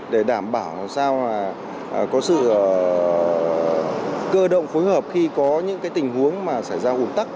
để đảm bảo làm sao mà có sự cơ động phối hợp khi có những cái tình huống mà xảy ra ủng tắc